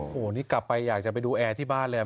โอ้โหนี่กลับไปอยากจะไปดูแอร์ที่บ้านเลย